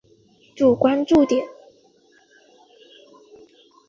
主关注点。